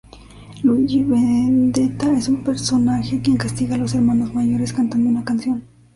Luigi Vendetta es un personaje quien castiga a los hermanos mayores cantando una canción.